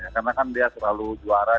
karena dia selalu juara